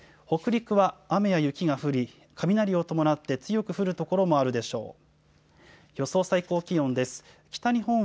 北陸は雨や雪が降り、雷を伴って強く降る所もあるでしょう。